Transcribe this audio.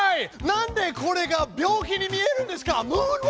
なんでこれが病気に見えるんですか？